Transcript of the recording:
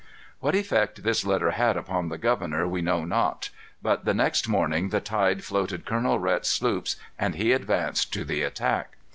What effect this letter had upon the governor we know not. But the next morning the tide floated Colonel Rhet's sloops, and he advanced to the attack.